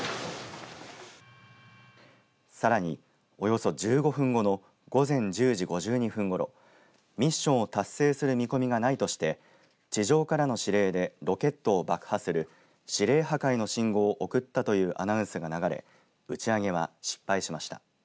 さらに、およそ１５分後の午前１０時５２分ごろミッションを達成する見込みがないとして地上からの指令でロケットを爆破する指令破壊の信号を送ったというアナウンスが流れ打ち上げは失敗しました。